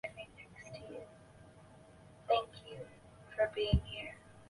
伊望主教是远东地区唯一继续效忠国外圣主教公会的主教。